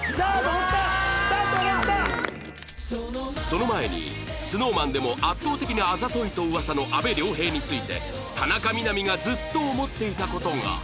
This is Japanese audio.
その前に ＳｎｏｗＭａｎ でも圧倒的にあざといと噂の阿部亮平について田中みな実がずっと思っていた事が